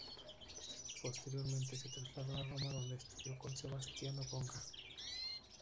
Posteriormente se trasladó a Roma donde estudió con Sebastiano Conca.